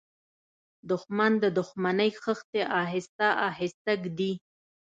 دښمن د دښمنۍ خښتې آهسته آهسته ږدي